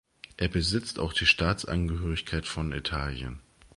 Er besitzt auch die Staatsangehörigkeit von Italien.